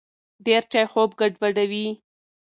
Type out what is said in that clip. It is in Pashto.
ډېر چای خوب ګډوډوي.